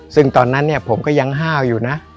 ซึ่งตอนนั้นเนี่ยผมก็ยังห้าวอยู่นะ